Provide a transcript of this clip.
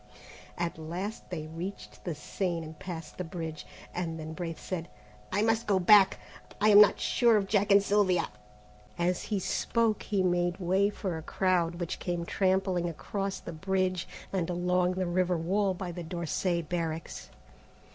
At last they reached the Seine and passed the bridge, and then Braith said: "I must go back. I am not sure of Jack and Sylvia." As he spoke, he made way for a crowd which came trampling across the bridge, and along the river wall by the d'Orsay barracks.